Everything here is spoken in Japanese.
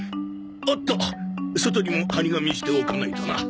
おっと外にも貼り紙しておかないとな。